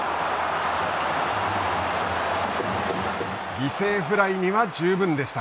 犠牲フライには十分でした。